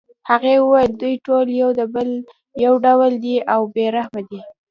هغې ویل دوی ټول یو ډول دي او بې رحمه دي